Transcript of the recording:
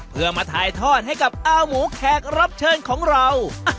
เพื่อมาถ่ายทอดให้กับอาหมูแขกรับเชิญของเรา